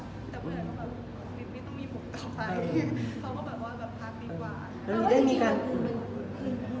เพื่อนก็ค่อยว่าไม่ต้องมีผมกลับไปเขาก็แบบว่าผักดีกว่า